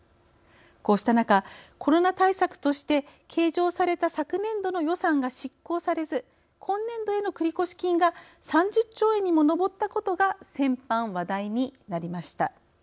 こうした中コロナ対策として計上された昨年度の予算が執行されず今年度への繰越金が３０兆円にも上ったことが先般、話題になりました。